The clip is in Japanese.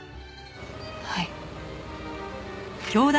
はい。